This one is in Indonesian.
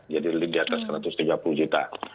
jadi lebih di atas satu ratus tiga puluh juta